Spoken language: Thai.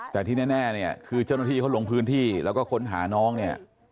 แต่ที่แน่เนี่ยคือเจ้าหน้าที่เขาลงพื้นที่แล้วก็ค้นหาน้องเนี่ย